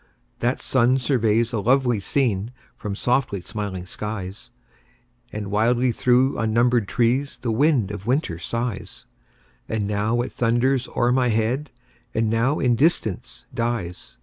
That sun surveys a lovely scene From softly smiling skies; And wildly through unnumbered trees The wind of winter sighs: Now loud, it thunders o'er my head, And now in distance dies.